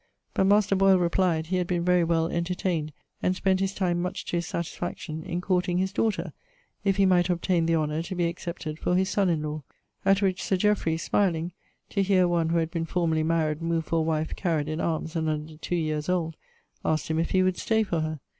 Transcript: But master Boyl replied, he had been very well entertayned; and spent his time much to his satisfaction, in courting his daughter, if he might obtaine the honour to be accepted for his son in lawe. At which Sir Jeoffry, smiling (to hear one who had been formerly married, move for a wife carried in arms, and under two years old,) asked him if he would stay for her?